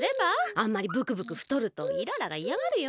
あんまりブクブクふとるとイララがいやがるよ？